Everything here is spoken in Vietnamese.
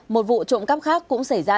một vụ trộm cắp khác cũng xảy ra